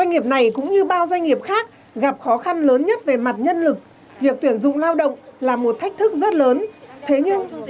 kinh doanh trong lĩnh vực thời trang